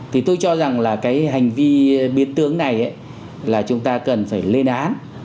thì tôi cho rằng là cái hành vi biến tướng này là chúng ta cần phải lên án